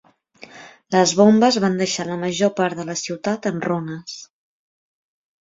Les bombes van deixar la major part de la ciutat en runes.